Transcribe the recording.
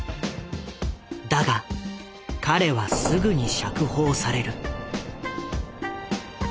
だが彼はすぐに釈放される。